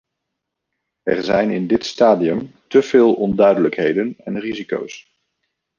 Er zijn in dit stadium te veel onduidelijkheden en risico's.